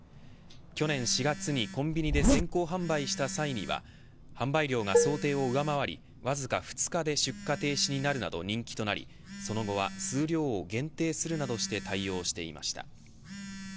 去年４月にコンビニで先行販売した際には販売量が想定を上回りわずか２日で出荷停止になるなど人気となりその後は数量を限定するなどして対応していました。